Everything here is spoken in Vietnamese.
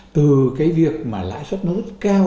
từ cái việc mà lãi suất nó rất cao